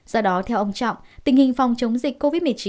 do đó theo ông trọng tình hình phòng chống dịch covid một mươi chín